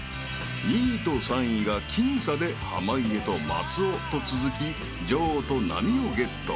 ［２位と３位が僅差で濱家と松尾と続き上と並をゲット］